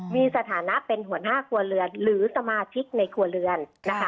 มีสถานะเป็นหัวหน้าครัวเรือนหรือสมาชิกในครัวเรือนนะคะ